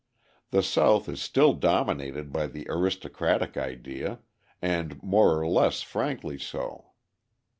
The South is still dominated by the aristocratic idea, and more or less frankly so.